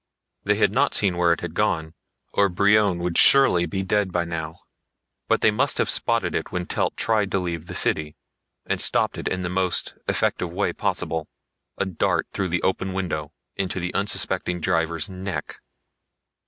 They had not seen where it had gone, or Brion would surely be dead by now. But they must have spotted it when Telt tried to leave the city and stopped it in the most effective way possible, a dart through the open window into the unsuspecting driver's neck.